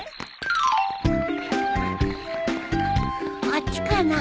あっちかな？